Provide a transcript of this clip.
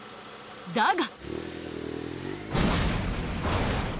だが。